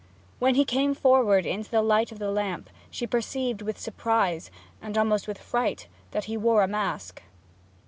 When he came forward into the light of the lamp, she perceived with surprise, and almost with fright, that he wore a mask.